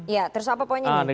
ya terus apa poinnya nih